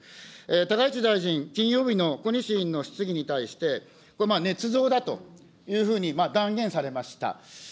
高市大臣、金曜日の小西議員の質疑に対して、ねつ造だというふうに断言されました。